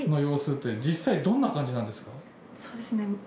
そうですね